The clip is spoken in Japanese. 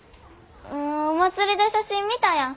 お祭りで写真見たやん。